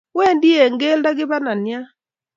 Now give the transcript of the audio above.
Wendi eng keldo kibananyat